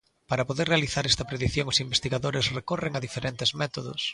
Para poder realizar esta predición os investigadores recorren a diferentes métodos.